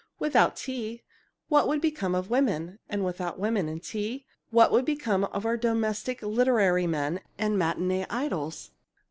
Without tea, what would become of women, and without women and tea, what would become of our domestic literary men and matinee idols?